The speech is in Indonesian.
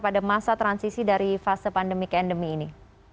pada masa transisi dari fase pandemi kandemi ini